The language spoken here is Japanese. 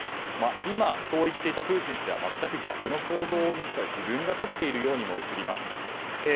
今、そういっていたプーチン氏は全く逆の行動を自分がとっているようにも映ります。